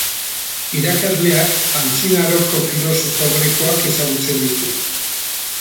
Irakasleak antzinaroko filosofo grekoak ezagutzen ditu.